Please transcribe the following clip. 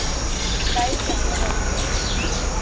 light جانے والی ہے